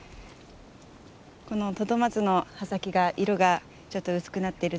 このトドマツの葉先が色がちょっと薄くなってるというか。